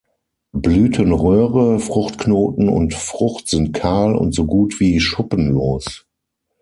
Blütenröhre, Fruchtknoten und Frucht sind kahl und so gut wie schuppenlos.